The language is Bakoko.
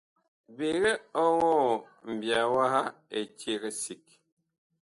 Biig ɔŋɔɔ mbiya waha eceg sig.